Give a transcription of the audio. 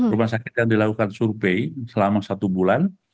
rumah sakit yang dilakukan survei selama satu bulan